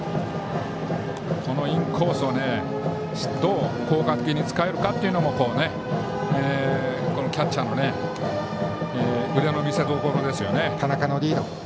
このインコースをどう効果的に使えるかというのもキャッチャーの腕の見せどころですよね。